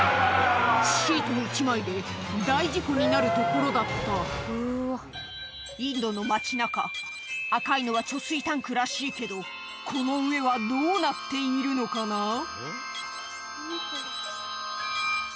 シート１枚で大事故になるところだったインドの街中赤いのは貯水タンクらしいけどこの上はどうなっているのかな？